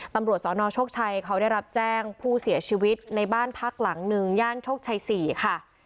ตำรวจสนโชคชัยเขาได้รับแจ้งผู้เสียชีวิตในบ้านพักหลังหนึ่งย่านโชคชัย๔ค่ะ